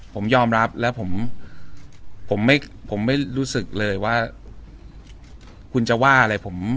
ผมยอมรับแล้วผมไม่รู้สึกเลยว่าคุณจะว่าอะไรผม